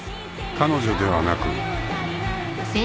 ［彼女ではなく］